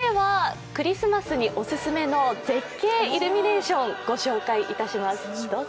続いては、クリスマスにおすすめの絶景イルミネーション、ご紹介いたします、どうぞ。